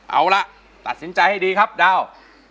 เอาล่ะตัดสินใจให้ดีครับดาว